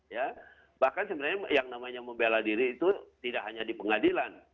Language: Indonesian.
ya bahkan sebenarnya yang namanya membela diri itu tidak hanya di pengadilan